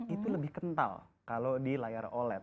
itu lebih kental kalau di layar oled